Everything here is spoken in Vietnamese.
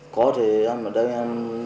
có thì em ở đây em